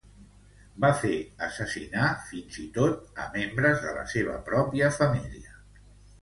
Va fer assassinar fins i tot a membres de la seva pròpia família.